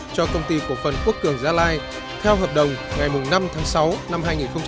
cho công ty cổ phần quốc cường gia lai theo hợp đồng ngày năm tháng sáu năm hai nghìn hai mươi